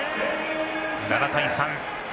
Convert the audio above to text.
７対３。